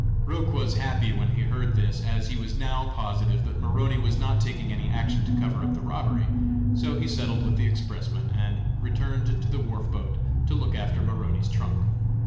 "_ Page 69.] Roch was happy when he heard this, as he was now positive that Maroney was not taking any action to cover up the robbery; so he settled with the expressman, and returned to the wharf boat to look after Maroney's trunk.